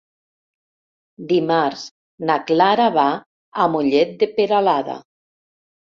Dimarts na Clara va a Mollet de Peralada.